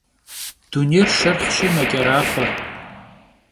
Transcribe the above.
Dunêyr şşerxhşi meç'eraxhue.